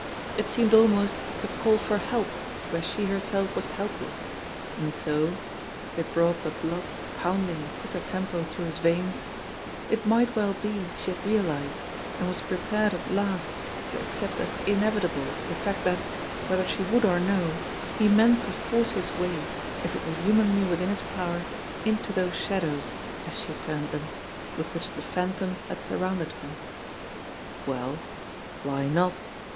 It seemed almost a call for help where she herself was help less, and so it brought the blood pounding in quicker tempo through his veins it might well be she had realised and was prepared at last to accept as inevitable the fact that, whethei she would or no, he meant to force his way if it were hu manly within his power into those shadows, as she termed them, with which the Phantom had surrounded her. Well, why not